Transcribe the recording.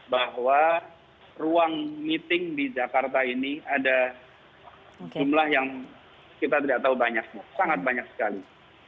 bahwa ruang meeting di jakarta ini ada jumlah yang kita tidak tahu banyaknya sangat banyak sekali